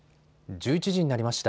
１１時になりました。